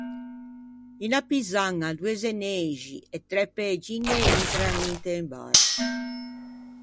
Unna pisaña, doe zeneixi e træ pëgiñe intran inte un bar.